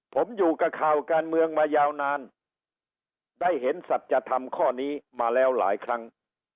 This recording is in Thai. ผมอยู่กับข่าวการเมืองมายาวนานได้เห็นสัจธรรมข้อนี้มาแล้วหลายครั้ง